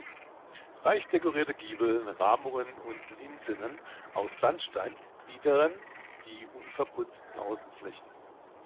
Reich dekorierte Giebel, Rahmungen und Lisenen aus Sandstein gliedern die unverputzten Außenflächen.